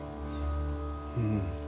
うん。